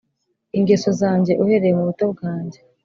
Ingeso zanjye uhereye mu buto bwanjye